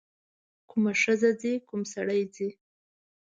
کومه ښځه ځي کوم سړی ځي.